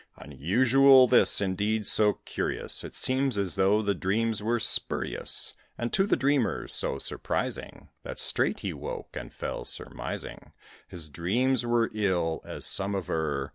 Unusual this; indeed, so curious, It seemed as though the dreams were spurious, And to the dreamer so surprising, That straight he woke, and fell surmising His dreams were ill, as some aver.